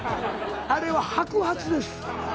あれは白髪です。